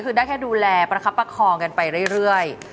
คือได้แค่ดูแลประคับประคองกันไปเรื่อย